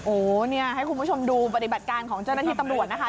โอ้โหเนี่ยให้คุณผู้ชมดูปฏิบัติการของเจ้าหน้าที่ตำรวจนะคะ